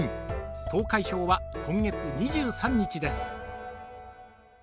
投開票は今月２３日です。